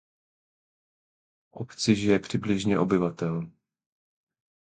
V obci žije přibližně obyvatel.